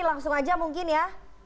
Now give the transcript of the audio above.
langsung aja mungkin ya